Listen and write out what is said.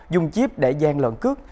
dùng chip để gian lợn cước